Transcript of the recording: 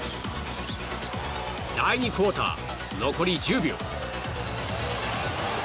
第２クオーター、残り１０秒。